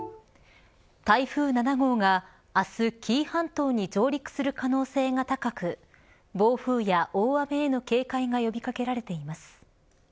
台風７号が明日紀伊半島に上陸する可能性が高く暴風や大雨への警戒が呼び掛けられています。